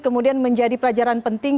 kemudian menjadi pelajaran penting